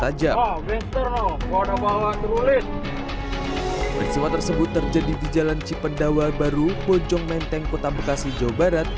peristiwa tersebut terjadi di jalan cipendawa baru bojong menteng kota bekasi jawa barat